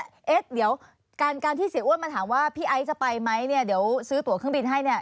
เอ๊ะเดี๋ยวการที่เสียอ้วนมาถามว่าพี่ไอซ์จะไปไหมเนี่ยเดี๋ยวซื้อตัวเครื่องบินให้เนี่ย